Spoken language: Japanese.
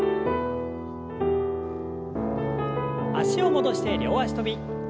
脚を戻して両脚跳び。